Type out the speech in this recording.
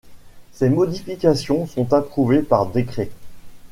Ces modifications sont approuvées par décret.